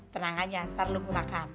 tenang aja ntar lo mau makan